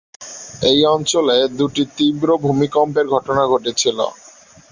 এই অঞ্চলে দুটি তীব্র ভূমিকম্পের ঘটনা ঘটেছিল।